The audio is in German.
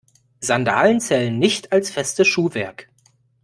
Sandalen zählen nicht als festes Schuhwerk.